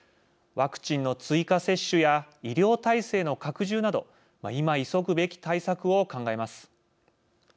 ワクチンの追加接種や医療体制の拡充など今、急ぐべき対策を考えます。